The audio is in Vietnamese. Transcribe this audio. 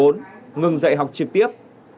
ngừng dạy học trực tiếp